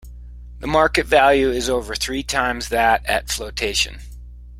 The market value is over three times that at flotation.